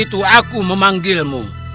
itu aku memanggilmu